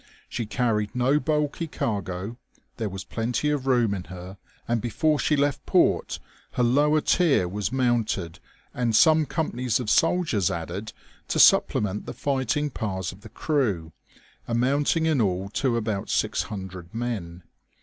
She carried no bulky cargo, there was plenty of room in her, and before she left port her lower tier was mounted and some companies of soldiers added to sup plement the fighting powers of the crew, amounting in all to about 600 men.